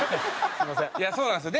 いやそうなんですよ。